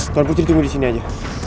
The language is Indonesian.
tuan pucu tunggu di sini aja